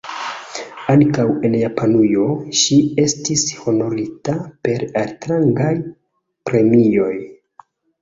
Ankaŭ en Japanujo ŝi estis honorita per altrangaj premioj.